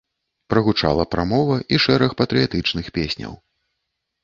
Прагучала прамова і шэраг патрыятычных песняў.